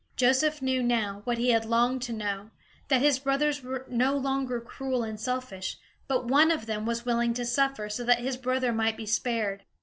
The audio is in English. Joseph knew now, what he had longed to know, that his brothers were no longer cruel nor selfish, but one of them was willing to suffer, so that his brother might be spared.